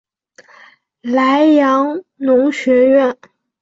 莱阳农学院。